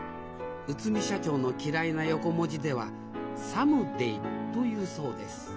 内海社長の嫌いな横文字では「サムデイ」と言うそうです。